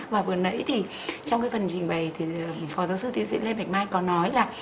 và vừa nãy thì trong cái phần trình bày thì phó giáo sư tiến sĩ lê bạch mai có nói là